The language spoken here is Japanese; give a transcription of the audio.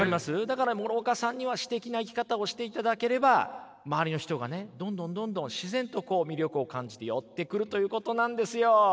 だから諸岡さんには詩的な生き方をしていただければ周りの人がねどんどんどんどん自然と魅力を感じて寄ってくるということなんですよ。